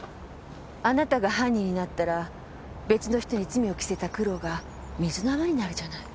あなたが犯人になったら別の人に罪を着せた苦労が水の泡になるじゃない。